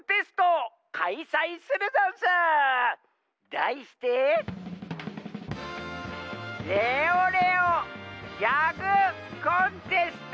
だいしてレオレオギャグコンテスト！